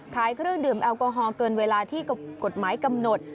เครื่องดื่มแอลกอฮอลเกินเวลาที่กฎหมายกำหนด